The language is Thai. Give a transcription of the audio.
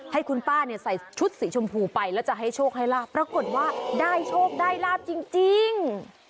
ให้คุณป้าเนี่ยใส่ชุดสีชมพูไปแล้วจะให้โชคให้ลาบปรากฏว่าได้โชคได้ลาบจริง